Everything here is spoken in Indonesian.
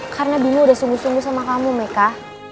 karena bimo udah sungguh sungguh sama kamu meika